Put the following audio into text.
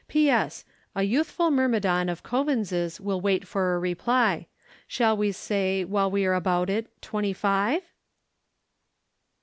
S. P.S.—A youthful myrmidon of Coavins's will wait for a reply. Shall we say, while we are about it, Twenty five?